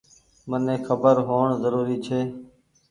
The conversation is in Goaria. مني کبر هوئڻ زروري ڇي۔